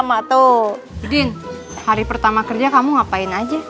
pudin hari pertama kerja kamu ngapain aja